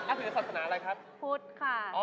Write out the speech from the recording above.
ครับผมราคาสีศาสนาอะไรครับพุทธค่ะ